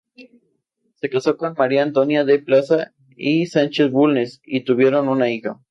Se casó con María Antonia de Plaza y Sánchez Bulnes, y tuvieron una hija.